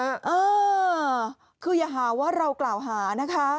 เออคืออย่าหาว่าเรากล่าวหานะคะ